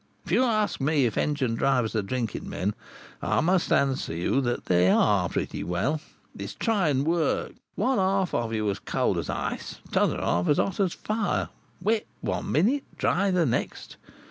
If you ask me if engine drivers are drinking men, I must answer you that they are pretty well. It's trying work; one half of you cold as ice; t'other half hot as fire; wet one minute, dry the next.